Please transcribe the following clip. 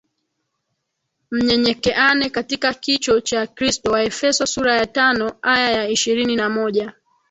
Mnyenyekeane katika kicho cha Kristo waefeso sura ya tano aya ya ishirini na moja